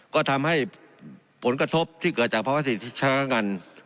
ก็ทำให้ผลกระทบที่เกิดจากภาพวัติศาสตร์ที่ชะกังกัน